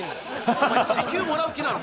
お前、時給もらう気だろ。